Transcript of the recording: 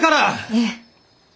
ええ。